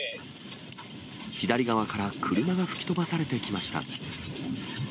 左側から車が吹き飛ばされてきました。